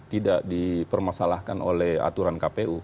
tidak dipermasalahkan oleh aturan kpu